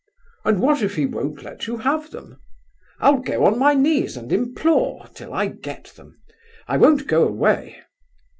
'And what if he won't let you have them?' 'I'll go on my knees and implore till I get them. I won't go away.